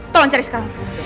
tolong cari sekarang